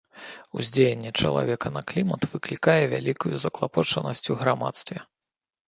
Уздзеянне чалавека на клімат выклікае вялікую заклапочанасць у грамадстве.